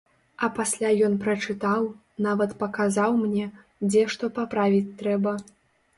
А пасля ён прачытаў, нават паказаў мне, дзе што паправіць трэба.